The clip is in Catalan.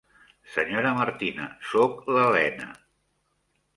Senyora Martina, soc l'Elena.